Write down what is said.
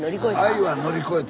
「愛は乗り越えた」。